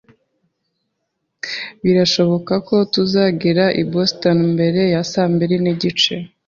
Birashoboka ko tuzagera i Boston mbere ya saa mbiri n'igice